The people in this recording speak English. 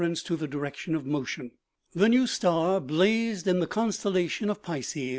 35 ence to the direction of motion. The new star blazed in the constellation of Pisces.